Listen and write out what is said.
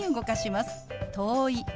「遠い」。